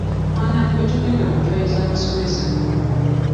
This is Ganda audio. Mwana gwe togenda mu ttooyi z'abasomesa.